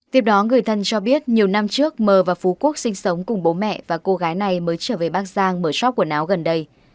tiếp đó người thân cho biết nhiều năm trước mờ và phú quốc sinh sống cùng bố mẹ và cô gái này mới trở về bắc giang mở sóc quần áo gần đây